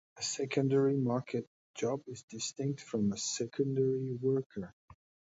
A secondary-market job is distinct from a "secondary worker".